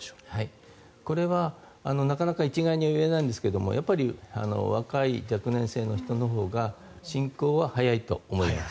これはなかなか一概には言えないですが若い若年性の人のほうが進行は早いと思います。